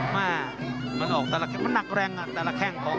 แม่มันออกแต่ละแง่มันหนักแรงอ่ะแต่ละแข้งของ